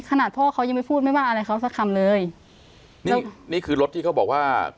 ขนาดพ่อเขายังไม่พูดไม่ว่าอะไรเขาสักคำเลยนี่นี่คือรถที่เขาบอกว่า